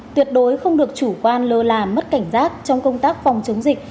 tuyệt đối không được chủ quan lơ là mất cảnh giác trong công tác phòng chống dịch